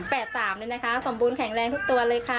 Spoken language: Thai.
แฝดสามเลยนะคะสมบูรณ์แข็งแรงทุกตัวเลยค่ะ